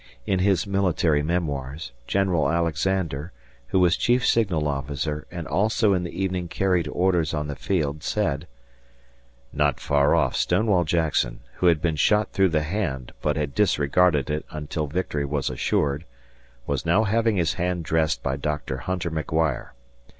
In his "Military Memoirs", General Alexander, who was chief signal officer and also in the evening carried orders on the field, said: Not far off Stonewall Jackson, who had been shot through the hand but had disregarded it until victory was assured, was now having his hand dressed by Doctor Hunter McGuire.